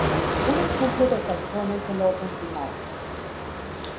Un ejemplo de taxón es el orden Primates.